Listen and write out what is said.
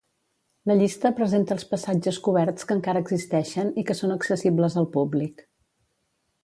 La llista presenta els passatges coberts que encara existeixen i que són accessibles al públic.